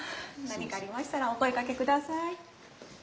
何かありましたらお声かけください。